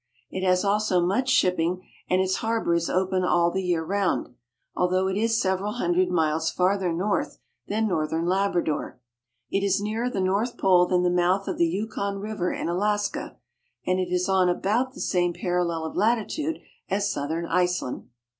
It has also much shipping, and •fe*4Wfc 1 68 SCANDINAVIA. its harbor is open all the year round, although it is several hundred miles farther north than northern Labrador. It is nearer the North Pole than the mouth of the Yukon River in Alaska, and it is on about the same parallel of latitude as southern Iceland.